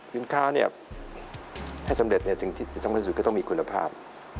สินค้าให้สำเร็จสิ่งที่จะต้องที่สุดก็ต้องมีคุณภาพ